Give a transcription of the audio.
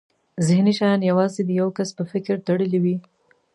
ذهني شیان یوازې د یو کس په فکر تړلي وي.